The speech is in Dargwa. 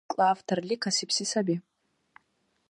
Сурат белкӀла авторли касибси саби.